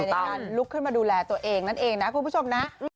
ในการลุกขึ้นมาดูแลตัวเองนั่นเองนะคุณผู้ชมนะ